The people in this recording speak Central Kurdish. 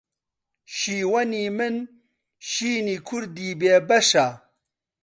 شیوەنی من شینی کوردی بێ بەشە